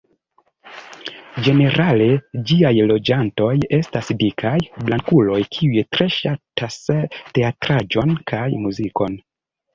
Ĝenerale, ĝiaj loĝantoj estas dikaj blankuloj kiuj tre ŝatas teatraĵon kaj muzikon.